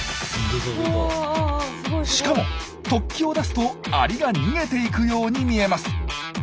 しかも突起を出すとアリが逃げていくように見えます。